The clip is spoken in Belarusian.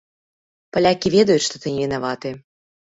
Палякі ведаюць, што ты невінаваты.